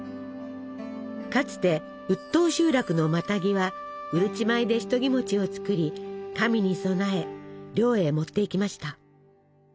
かつて打当集落のマタギはうるち米でシトギを作り神に供え猟へ持っていきました。